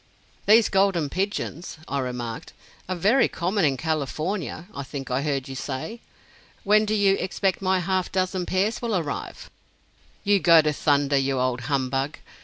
"These Golden Pigeons," I remarked, "are very common in California, I think I heard you say? When do you expect my half dozen pairs will arrive?" "You go to thunder, you old humbug!"